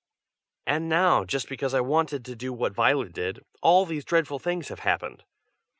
And now, just because I wanted to do what Violet did, all these dreadful things have happened.